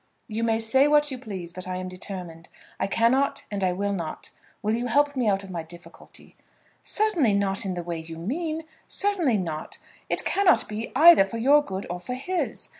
"You may say what you please, but I am determined. I cannot and I will not. Will you help me out of my difficulty?" "Certainly not in the way you mean; certainly not. It cannot be either for your good or for his.